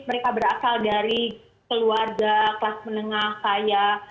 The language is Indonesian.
mereka berasal dari keluarga kelas menengah kaya